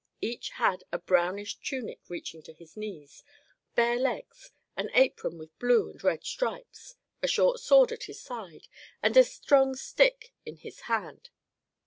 Each had a brownish tunic reaching to his knees, bare legs, an apron with blue and red stripes, a short sword at his side, and a strong stick in his hand.